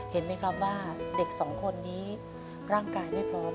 เห็นไหมครับว่าเด็กสองคนนี้ร่างกายไม่พร้อม